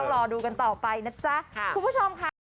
รอดูกันต่อไปนะจ๊ะคุณผู้ชมค่ะ